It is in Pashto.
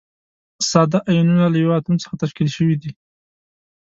ساده ایونونه له یوه اتوم څخه تشکیل شوي دي.